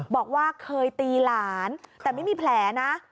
บอกว่าเคยตีหลานแต่ไม่มีแผลนะ